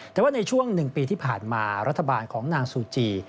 แต่ว่าในช่วง๑ปีที่ผ่านมารัฐบาลของนางซูจี